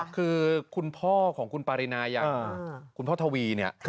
คือคุณพ่อของคุณปารินาอย่างคุณพ่อทวีเนี่ย